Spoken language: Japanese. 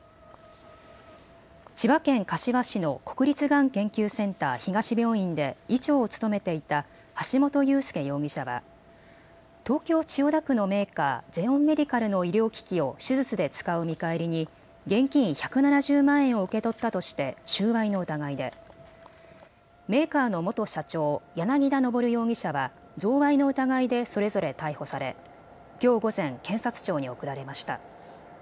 千葉県柏市の国立がん研究センター東病院で医長を務めていた橋本裕輔容疑者は東京千代田区のメーカー、ゼオンメディカルの医療機器を手術で使う見返りに現金１７０万円を受け取ったとして収賄の疑いで、メーカーの元社長、柳田昇容疑者は贈賄の疑いでそれぞれ逮捕されきょう午前、検察庁に送られました。